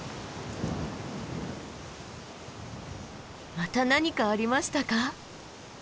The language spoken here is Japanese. また何かありましたか？